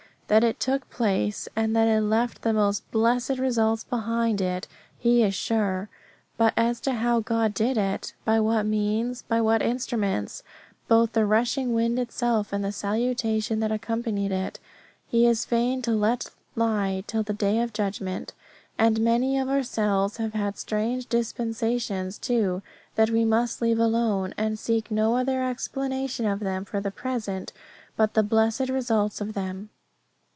That it took place, and that it left the most blessed results behind it, he is sure; but as to how God did it, by what means, by what instruments, both the rushing wind itself and the salutation that accompanied it, he is fain to let lie till the day of judgment. And many of ourselves have had strange dispensations too that we must leave alone, and seek no other explanation of them for the present but the blessed results of them.